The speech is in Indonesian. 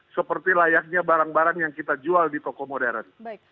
seperti layaknya barang barang yang kita jual di toko modern